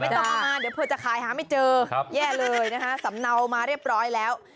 ต้องเอามาเดี๋ยวเผื่อจะขายหาไม่เจอแย่เลยนะคะสำเนามาเรียบร้อยแล้ว